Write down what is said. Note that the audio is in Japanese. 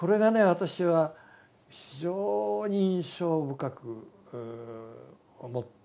私は非常に印象深く思って。